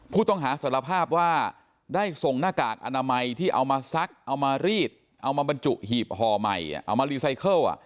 ผู้ต้องหาสารภาพว่าได้ส่งหน้ากากอนามัยที่เอามาซักเอามารีดเอามาบรรจุหีบห่อใหม่เอามารีไซเคิล